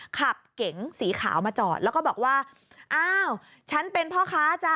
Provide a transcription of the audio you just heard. เก๋งสีขาวมาจอดแล้วก็บอกว่าอ้าวฉันเป็นพ่อค้าจ้ะ